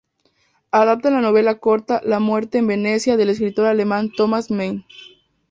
Adapta la novela corta "La muerte en Venecia" del escritor alemán Thomas Mann.